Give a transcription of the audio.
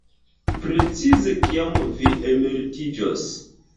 Precize kiam vi emeritiĝos?